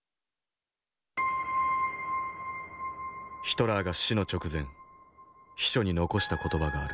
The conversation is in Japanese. ヒトラーが死の直前秘書に残した言葉がある。